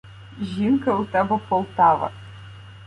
Жінка у тебе — Полтава.